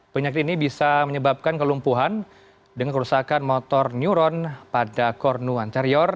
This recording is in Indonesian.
penyakit ini bisa menyebabkan kelumpuhan dengan kerusakan motor newron pada korno anterior